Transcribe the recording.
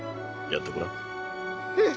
やってごらん。